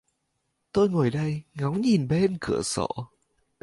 Tôi ngồi đây, ngóng nhìn bên cửa sổ